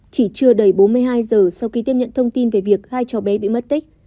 chỉ chưa đầy bốn mươi hai giờ sau khi tiếp nhận thông tin về việc hai cháu bé bị mất tích